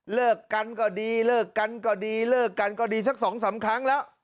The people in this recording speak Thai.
เลิกกันก็ดีเลิกกันก็ดีเลิกกันก็ดีสักสองสามครั้งแล้ว